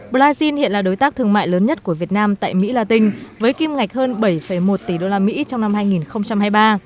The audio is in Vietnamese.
brazil hiện là đối tác thương mại lớn nhất của việt nam tại mỹ la tinh với kim ngạch hơn bảy một tỷ usd trong năm hai nghìn hai mươi ba